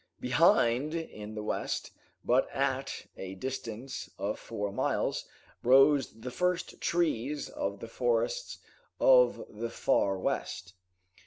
Behind in the west, but at a distance of four miles, rose the first trees of the forests of the Far West.